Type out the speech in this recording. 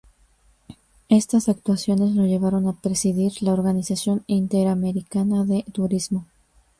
Estas actuaciones lo llevaron a presidir la Organización Interamericana de Turismo.